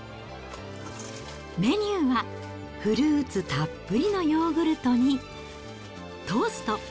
メニューは、フルーツたっぷりのヨーグルトに、トースト。